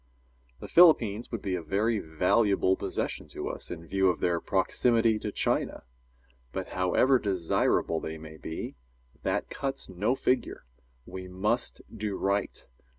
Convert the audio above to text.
The Philippines would be a very valuable possession to us, in view of their proximity to China. But, however desirable they may be, that cuts no figure. We must do right.